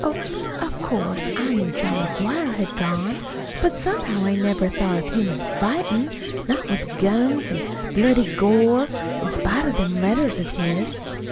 Oh, of course, I knew John McGuire had gone; but somehow I never thought of him as fightin' not with guns an' bloody gore, in spite of them letters of his.